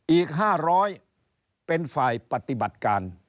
อีก๕๐๐เป็นฝ่ายปฏิบัติการ